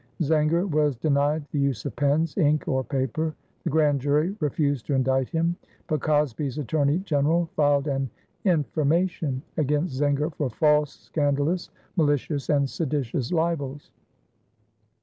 Zenger was denied the use of pens, ink, or paper. The grand jury refused to indict him. But Cosby's attorney general filed an "information" against Zenger for "false, scandalous, malicious and seditious libels."